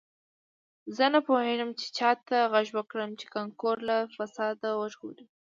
زه نه پوهیږم چې چا ته غږ وکړم چې کانکور له فساد وژغوري